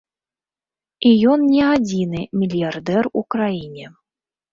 І ён не адзіны мільярдэр у краіне.